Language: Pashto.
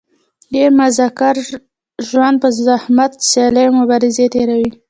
ډېری مذکر ژوند په زحمت سیالي او مبازره تېروي.